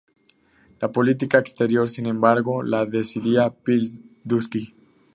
La política exterior, sin embargo, la decidía Piłsudski.